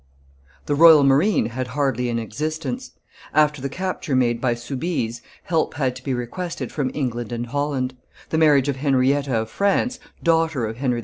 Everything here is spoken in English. The royal marine had hardly an existence; after the capture made by Soubise, help had to be requested from England and Holland; the marriage of Henrietta of France, daughter of Henry IV.